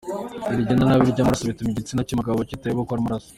Iri genda nabi ry’amaraso bituma igitsina cy’umugabo kitayobokwa n’amaraso.